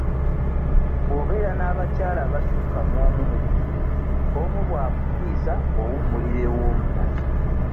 Bw'obeera n'abakyala abassuka mu omu mu bufumbo omu bw'akunyiiza ng'owummulira ew'omulala.